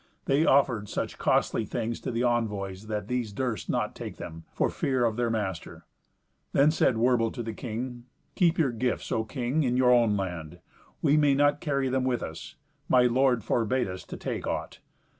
They offered such costly things to the envoys that these durst not take them, for fear of their master. Then said Werbel to the king, "Keep your gifts, O king, in your own land. We may not carry them with us. My lord forbade us to take aught.